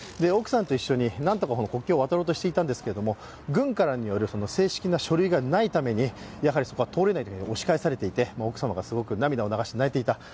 奥さんと一緒になんとか国境を渡ろうとしていたんですけれども軍からによる正式な書類がないためにそこは通れないと押し返されていて奥様が涙を流して泣いていた。